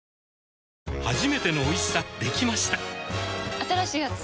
新しいやつ？